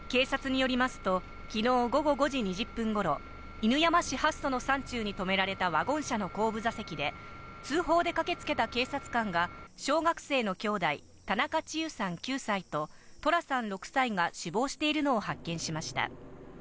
警察によりますと昨日午後５時２０分頃、犬山市八曽の山中に止められたワゴン車の後部座席で通報で駆けつけた警察官が小学生のきょうだい、田中千結さん９歳と十楽さん６歳が死亡しているのを発見しました。